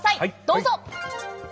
どうぞ！